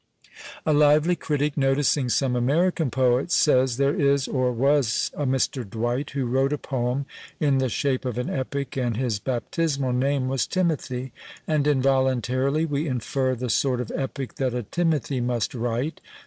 A lively critic noticing some American poets, says "There is or was a Mr. Dwight who wrote a poem in the shape of an epic; and his baptismal name was Timothy;" and involuntarily we infer the sort of epic that a Timothy must write.